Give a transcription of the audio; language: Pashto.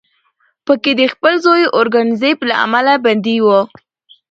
په کې د خپل زوی اورنګزیب له امله بندي و